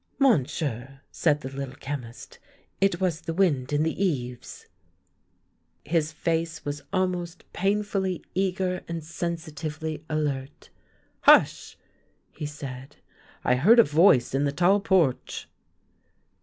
" Monsieur," said the Little Chemist, " it was the wind in the eaves." His face was almost painfully eager and sensitively alert. " Hush !" he said ;" I hear a voice in the tall porch